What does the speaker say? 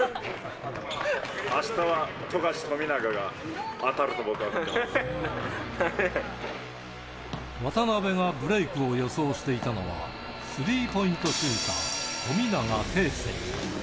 あしたは富樫、渡邊がブレークを予想していたのは、スリーポイントシューター、富永啓生。